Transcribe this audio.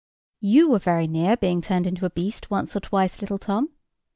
You were very near being turned into a beast once or twice, little Tom.